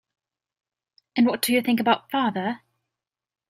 And what do you think about father?